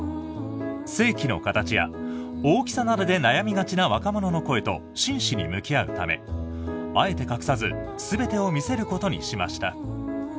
性器の形や大きさなどで悩みがちな若者の声と真摯に向き合うためあえて隠さず全てを見せることにしました。